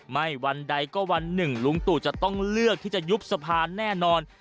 วันใดก็วันหนึ่งลุงตู่จะต้องเลือกที่จะยุบสะพานแน่นอน